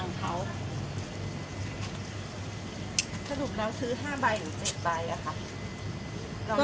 สรุปเราซื้อห้าใบหรือเจ็ดใบหรือคะ